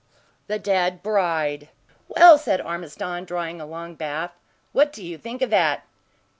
THE DEAD BRIDE "Well," said Ormiston, drawing a long bath, "what do you think of that?"